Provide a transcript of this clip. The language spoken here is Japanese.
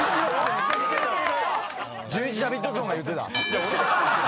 じゅんいちダビッドソンが言ってた。